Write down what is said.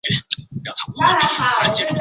邓琬人。